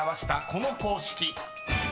［この公式］